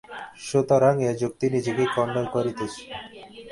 সুতরাং এ যুক্তি নিজেকেই খণ্ডন করিতেছে।